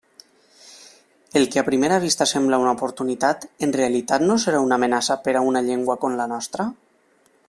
El que a primera vista sembla una oportunitat, en realitat no serà una amenaça per una llengua com la nostra?